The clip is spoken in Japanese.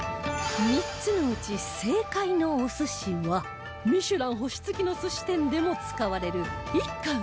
３つのうち正解のお寿司は『ミシュラン』星付きの寿司店でも使われる１貫１５００円